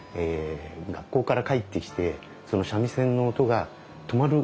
学校から帰ってきてその三味線の音が止まる頃にですね